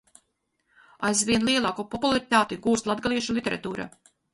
Aizvien lielāku popularitāti gūst latgaliešu literatūra.